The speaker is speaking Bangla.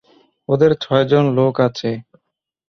ওদের ছয়জন লোক আছে।